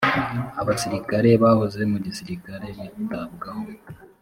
abasirikare bahoze mu gisirikare bitabwaho.